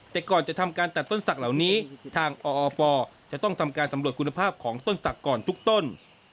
แต่ก่อนจะทำการตัดต้นศักดิ์เหล่านี้ทางออปจะต้องทำการสำรวจคุณภาพของต้นศักดิ์ก่อนทุกต้น